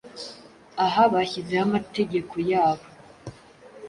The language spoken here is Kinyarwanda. Aha bashyizeho amategeko yabo